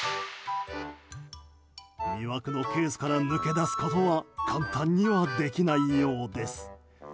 魅惑のケースから抜け出すことは簡単にはできないようです。